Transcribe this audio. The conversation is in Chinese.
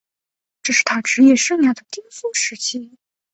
这是他职业生涯的巅峰时期。